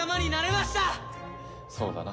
そうだな。